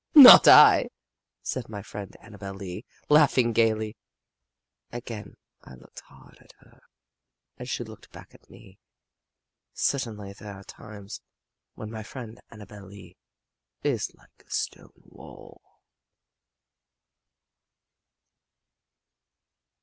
"Not I!" said my friend Annabel Lee, and laughed gayly. Again I looked hard at her and she looked back at me. Certainly there are times when my friend Annabel Lee is like a stone wall.